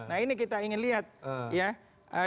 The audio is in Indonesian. nah ini kita ingin lihat ya